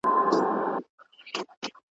یوه ورځ به دې پخپله بندیوان وي .